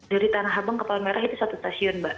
dari tanah abang ke palmerah itu satu stasiun mbak